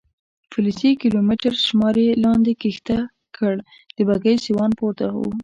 فلزي کیلومتر شمار یې لاندې کښته کړ، د بګۍ سیوان پورته و.